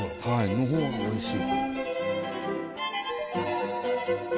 の方がおいしい。